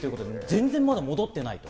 全然まだ戻っていない。